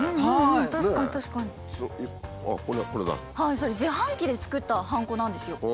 それ自販機で作ったハンコなんですよ。